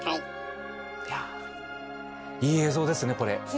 いい映像ですねこれ！